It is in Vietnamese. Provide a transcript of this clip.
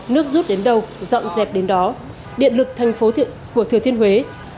nước rút đến đâu dọn dẹp đến đó điện lực thành phố của thừa thiên huế